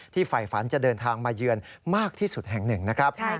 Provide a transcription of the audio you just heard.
ฝ่ายฝันจะเดินทางมาเยือนมากที่สุดแห่งหนึ่งนะครับ